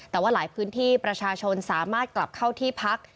แต่ว่าหลายพื้นที่ประชาชนสามารถกลับเข้าที่พัก